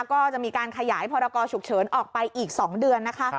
ก็จะมีการขยายพรกรฉุกเฉินออกไปอีก๒เดือนนะคะ